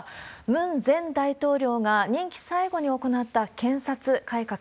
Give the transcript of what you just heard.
ムン前大統領が任期最後に行った検察改革。